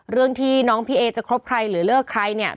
เรื่องที่น้องพี่เอจะคบใครหรือเลิกใครเนี่ย